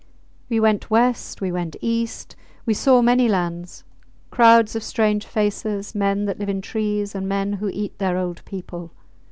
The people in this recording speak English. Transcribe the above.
We went West, we went East. We saw many lands, crowds of strange faces, men that live in trees and men who eat their old people.